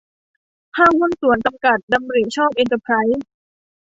ห้างหุ้นส่วนจำกัด ดำริห์ชอบเอนเตอรไพรส์